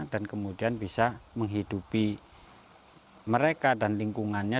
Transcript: dan kemudian bisa menghidupi mereka dan lingkungannya